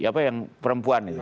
apa yang perempuan itu